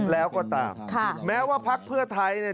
แล้วก็ตามค่ะแม้ว่าพักเพื่อไทยเนี่ย